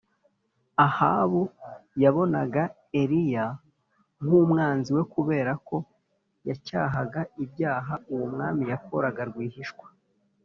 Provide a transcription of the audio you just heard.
ahabu yabonaga eliya nk’umwanzi we kubera ko yacyahaga ibyaha uwo mwami yakoraga rwihishwa